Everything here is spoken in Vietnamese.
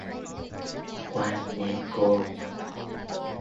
quan đến cô